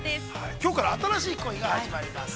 ◆きょうから新しい恋が始まります。